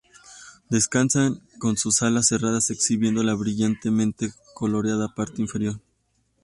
Descansan con su alas cerradas exhibiendo la brillantemente coloreada parte inferior.